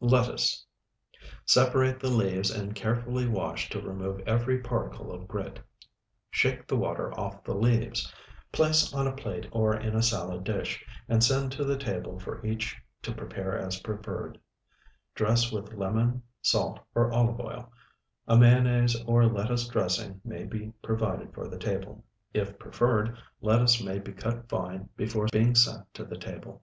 LETTUCE Separate the leaves and carefully wash to remove every particle of grit. Shake the water off the leaves. Place on a plate or in a salad dish, and send to the table for each to prepare as preferred. Dress with lemon, salt, or olive oil. A mayonnaise or lettuce dressing may be provided for the table. If preferred, lettuce may be cut fine before being sent to the table.